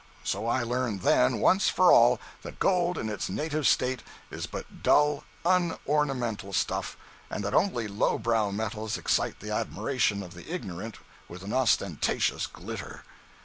So I learned then, once for all, that gold in its native state is but dull, unornamental stuff, and that only low born metals excite the admiration of the ignorant with an ostentatious glitter.